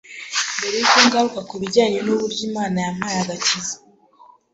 Mbere y’uko ngaruka kubijyanye n’uburyo Imana yampaye agakiza